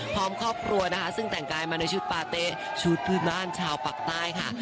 ครอบครัวนะคะซึ่งแต่งกายมาในชุดปาเต๊ะชุดพื้นบ้านชาวปากใต้ค่ะ